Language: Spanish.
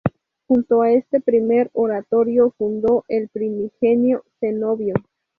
Junto a este primer oratorio fundó el primigenio cenobio.